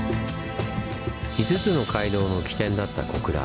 ５つの街道の起点だった小倉。